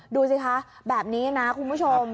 ดูสิคะแบบนี้นะคุณผู้ชม